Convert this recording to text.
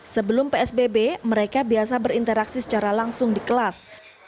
sebelum psbb mereka biasa berinteraksi secara langsung di kelas